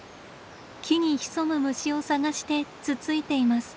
木に潜む虫を探してつついています。